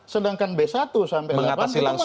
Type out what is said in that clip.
sedangkan b satu sampai delapan itu